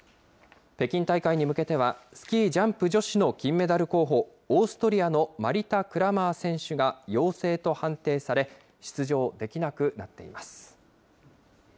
北京大会に向けては、スキージャンプ女子の金メダル候補、オーストリアのマリタ・クラマー選手が陽性と判定され、出場できなくなっています。